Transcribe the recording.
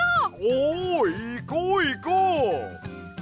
おう！いこういこう！